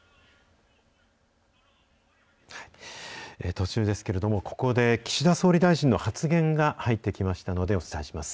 途中ですけれども、ここで、岸田総理大臣の発言が入ってきましたので、お伝えします。